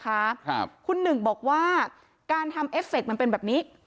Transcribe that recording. ครับคุณหนึ่งบอกว่าการทำเอฟเฟคมันเป็นแบบนี้